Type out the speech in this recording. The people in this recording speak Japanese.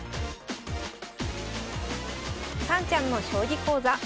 さんちゃんの将棋講座。